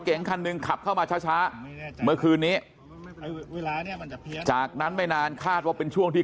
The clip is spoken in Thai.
คันหนึ่งขับเข้ามาช้าเมื่อคืนนี้จากนั้นไม่นานคาดว่าเป็นช่วงที่